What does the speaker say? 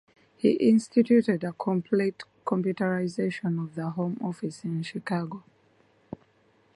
He instituted a complete computerization of the Home Office in Chicago.